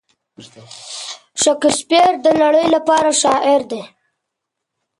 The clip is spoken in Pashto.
شکسپیر د نړۍ لپاره شاعر دی.